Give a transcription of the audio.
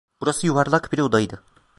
Burası yuvarlak bir odaydı.